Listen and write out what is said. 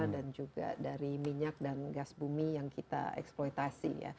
dan juga dari minyak dan gas bumi yang kita eksploitasi